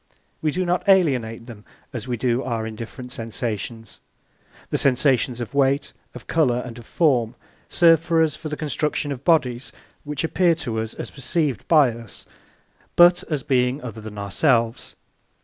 (2) We do not alienate them as we do our indifferent sensations. The sensations of weight, of colour, and of form serve us for the construction of bodies which appear to us as perceived by us, but as being other than ourselves.